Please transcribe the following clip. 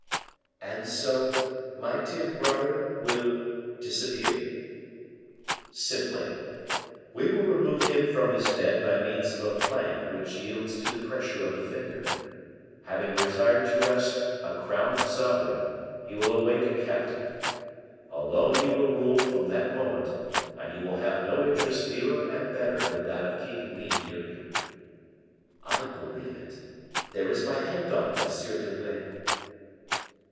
"And so my dear brother will disappear?" "Simply. We will remove him from his bed by means of a plank which yields to the pressure of the finger. Having retired to rest a crowned sovereign, he will awake a captive. Alone you will rule from that moment, and you will have no interest dearer and better than that of keeping me near you." "I believe it. There is my hand on it, Monsieur d'Herblay."